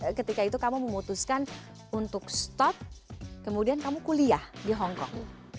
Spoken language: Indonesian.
ketika itu kamu memutuskan untuk stop kemudian kamu kuliah di hongkong